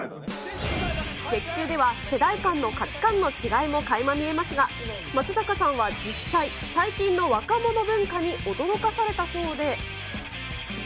劇中では世代間の価値観の違いもかいま見えますが、松坂さんは実際、最近の若者文化に驚かされたそうで。